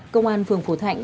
công an phường phổ thạnh